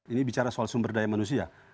ini bicara soal sumber daya manusia